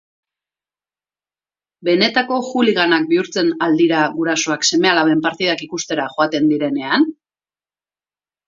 Benetako holliganak bihurtzen al dira gurasoak seme-alaben partidak ikustera joaten direnean?